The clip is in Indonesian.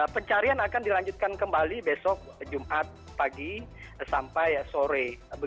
pencarian akan dilanjutkan kembali besok jumat pagi sampai sore